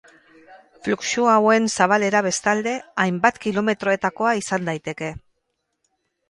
Fluxu hauen zabalera, bestalde, hainbat kilometroetakoa izan daiteke.